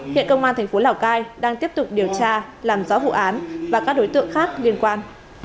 hiện công an thành phố lào cai đang tiếp tục điều tra làm rõ vụ án và các đối tượng khác liên quan